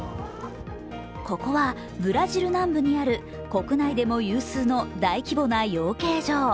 ここはブラジル南部にある国内でも有数の大規模な養鶏場。